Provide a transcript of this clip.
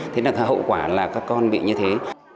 thế là hậu quả là các con bị như thế